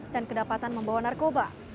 dan kedapatan membawa narkoba